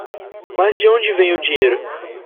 Mas de onde vem o dinheiro?